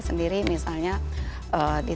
sendiri misalnya di